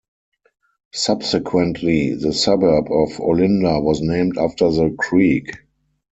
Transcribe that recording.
Subsequently the suburb of Olinda was named after the creek.